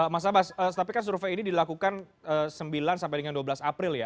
mas abas tapi kan survei ini dilakukan sembilan dua belas april ya